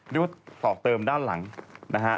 เรียกว่าต่อเติมด้านหลังนะฮะ